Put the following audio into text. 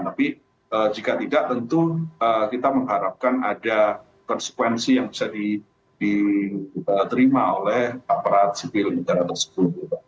tapi jika tidak tentu kita mengharapkan ada konsekuensi yang bisa diterima oleh aparat sipil negara tersebut